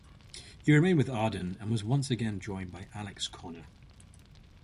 He remained with Arden and was once again joined by Alex Connor.